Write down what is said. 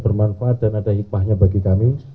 bermanfaat dan ada hikmahnya bagi kami